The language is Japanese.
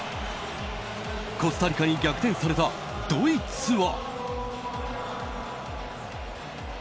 コスタリカに逆転されたドイツは。